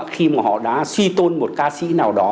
khi mà họ đã suy tôn một ca sĩ nào đó